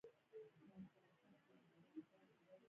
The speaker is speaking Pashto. شربت د خولې خوږوالی دی